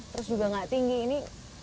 terus juga gak tinggi ini